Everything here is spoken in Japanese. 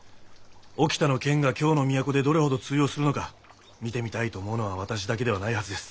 沖田の剣が京の都でどれほど通用するのか見てみたいと思うのは私だけではないはずです。